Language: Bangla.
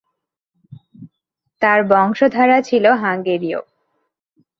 তার বংশধারা ছিল হাঙ্গেরীয়।